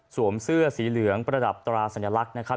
เสื้อสีเหลืองประดับตราสัญลักษณ์นะครับ